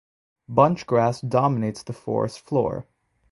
Bunchgrass dominates the forest floor.